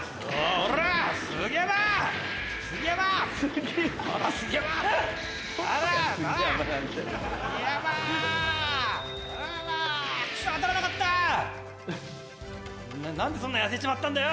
お前何でそんな痩せちまったんだよ！